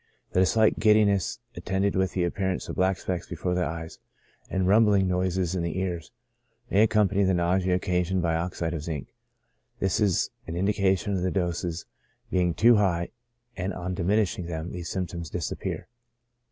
That a slight giddiness attended with the appearance of black specks before the eyes, and rumbling noises in the ears, may accompany the nausea occasioned by oxide of zinc ; this is an indication of the doses being too high, and on diminishing them, these symptoms disappear.